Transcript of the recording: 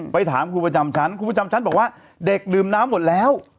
ไปถามครูประจำชั้นครูประจำชั้นบอกว่าเด็กดื่มน้ำหมดแล้ว